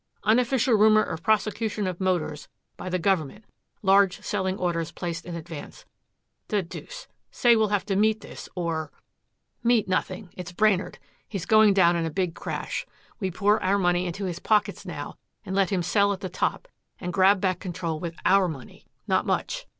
Unofficial rumor of prosecution of Motors by the government large selling orders placed in advance. The deuce say, we'll have to meet this or " "Meet nothing. It's Brainard. He's going down in a big crash. We pour our money into his pockets now and let him sell at the top and grab back control with OUR money? Not much.